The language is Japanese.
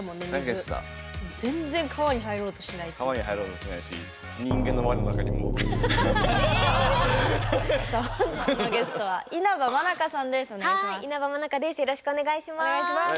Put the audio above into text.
よろしくお願いします。